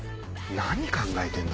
何考えてんだ。